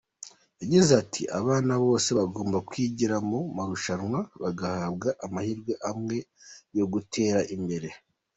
Yagize ati "Abana bose bagomba kwigira mu marushanwa bagahabwa amahirwe amwe yo gutera imbere.